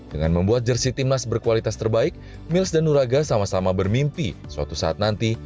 dengan membuat jersi timnas berkualitas terbaik mils dan nuraga sama sama bermimpi suatu saat nanti